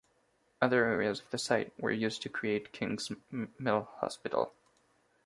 Other areas of the site were used to create King's Mill Hospital.